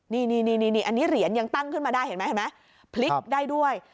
นี่อันนี้เหรียญยังตั้งขึ้นมาได้เห็นไหมเห็นไหมพลิกได้ด้วย